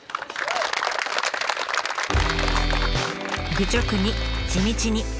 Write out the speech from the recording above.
愚直に地道に。